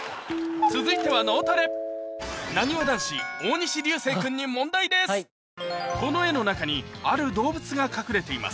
続いては脳トレなにわ男子・大西流星君にこの絵の中にある動物が隠れています